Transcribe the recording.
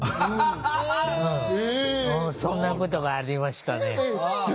そんなことがありましたね。